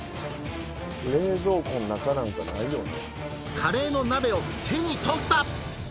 カレーの鍋を手に取った！